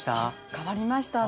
変わりました。